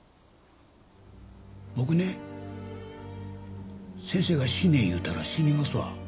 僕ね先生が死ね言うたら死にますわ。